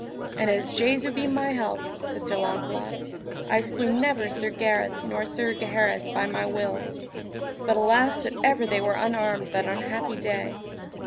And as Jesu be my help, said Sir Launcelot, I slew never Sir Gareth nor Sir Gaheris by my will; but alas that ever they were unarmed that unhappy day.